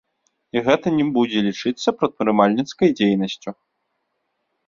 І гэта не будзе лічыцца прадпрымальніцкай дзейнасцю.